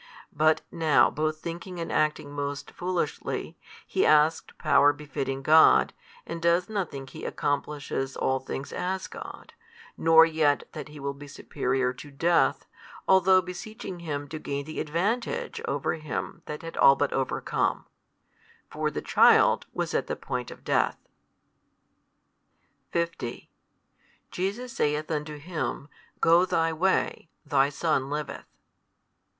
But now both thinking and acting most foolishly, he asks power befitting God, and does not think He accomplishes all things as God, nor yet that He will be superior to death, although beseeching Him to gain the advantage over him that had all but overcome; for the child was at the point of death. 50 Jesus saith unto him, Go thy way; thy son liveth.